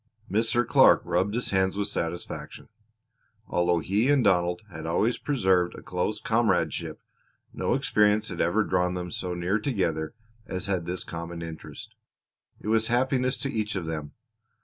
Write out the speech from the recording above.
Mr. Clark rubbed his hands with satisfaction. Although he and Donald had always preserved a close comradeship no experience had ever drawn them so near together as had this common interest. It was happiness to each of them.